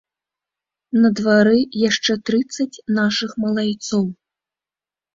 На двары яшчэ трыццаць нашых малайцоў.